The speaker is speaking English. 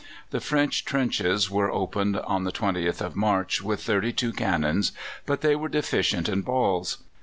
The French trenches were opened on the 20th of March with thirty two cannon, but they were deficient in balls.